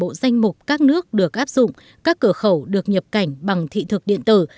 trong thời gian hai năm các nước được áp dụng các cửa khẩu được nhập cảnh bằng thị thực điện tử